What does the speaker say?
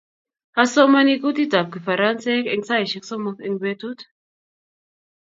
Asomani kutitab kifaransaik eng saishek somok eng betut